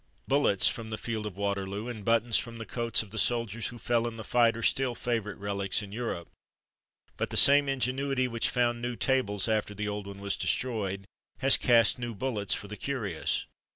Bullets from the field of Waterloo, and buttons from the coats of the soldiers who fell in the fight, are still favourite relics in Europe. But the same ingenuity which found new tables after the old one was destroyed, has cast new bullets for the curious.